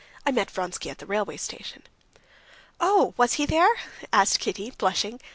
"I met Vronsky at the railway station." "Oh, was he there?" asked Kitty, blushing.